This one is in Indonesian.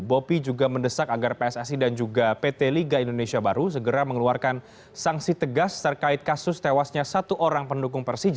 bopi juga mendesak agar pssi dan juga pt liga indonesia baru segera mengeluarkan sanksi tegas terkait kasus tewasnya satu orang pendukung persija